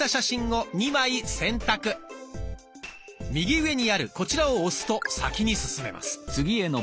右上にあるこちらを押すと先に進めます。